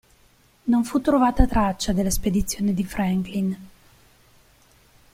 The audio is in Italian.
Non fu trovata traccia della spedizione di Franklin.